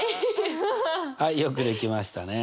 はいよくできましたね。